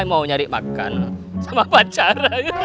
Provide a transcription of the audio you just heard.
mau nyari makan sama pacar